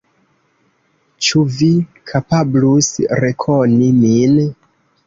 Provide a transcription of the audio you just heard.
Ĉu Vi kapablus rekoni min?